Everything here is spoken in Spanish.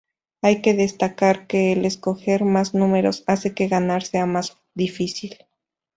Hay que destacar que al escoger más números hace que ganar sea más difícil.